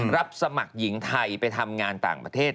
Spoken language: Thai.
รับสมัครหญิงไทยไปทำงานต่างประเทศ